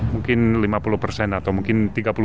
mungkin lima puluh atau mungkin tiga puluh